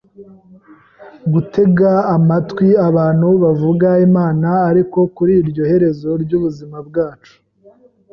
gutega amatwi abantu bavuga Imana ariko kuri iryo herezo ry’ubuzima bwacu